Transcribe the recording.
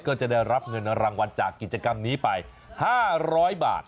ก็จะได้รับเงินรางวัลจากกิจกรรมนี้ไป๕๐๐บาท